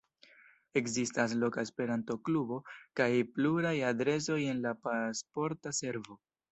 Ekzistas loka Esperanto-klubo kaj pluraj adresoj en la Pasporta Servo.